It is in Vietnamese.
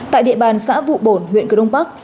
tại địa bàn xã vụ bồn huyện cửa đông bắc